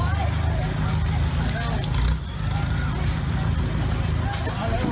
อ่า